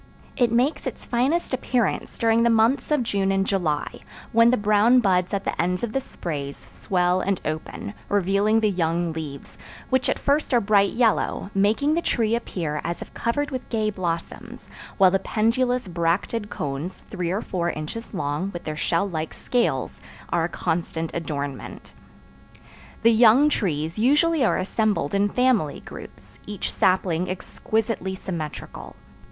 It makes its finest appearance during the months of June and July, when the brown buds at the ends of the sprays swell and open, revealing the young leaves, which at first are bright yellow, making the tree appear as if covered with gay blossoms; while the pendulous bracted cones, three or four inches long, with their shell like scales, are a constant adornment. The young trees usually are assembled in family groups, each sapling exquisitely symmetrical.